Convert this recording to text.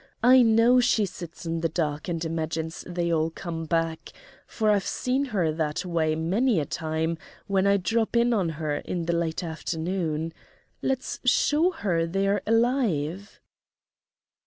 I know she sits in the dark and imagines they all come back, for I've seen her that way many a time when I drop in on her in the late afternoon. Let's show her they're alive."